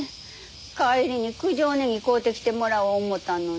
帰りに九条ねぎ買うてきてもらおう思たのに。